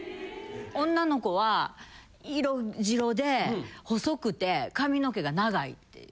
女の子は色白で細くて髪の毛が長いっていう。